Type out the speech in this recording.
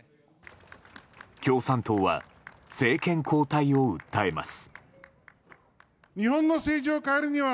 共産党は政権交代を訴えます。